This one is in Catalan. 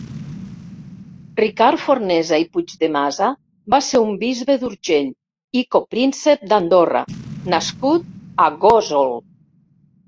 Ricard Fornesa i Puigdemasa va ser un bisbe d'Urgell i Copríncep d'Andorra nascut a Gósol.